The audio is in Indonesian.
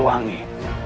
aku tidak ingin